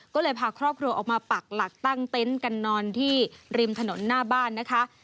ก็เลยพาครอบครัวออกมาปักหลักตั้งเต็นต์กันนอนที่ริมถนนหน้าบ้านนะคะ